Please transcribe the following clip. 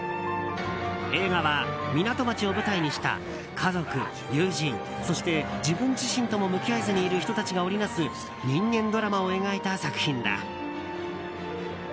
映画は、港町を舞台にした家族、友人、そして自分自身とも向き合えずにいる人たちが織り成す人間ドラマを描いた作品だ。